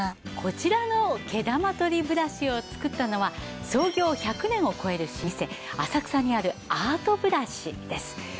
こちらの毛玉取りブラシを作ったのは創業１００年を超える老舗浅草にあるアートブラシです。